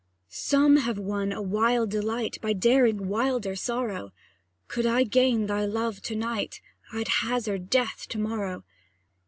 Some have won a wild delight, By daring wilder sorrow; Could I gain thy love to night, I'd hazard death to morrow.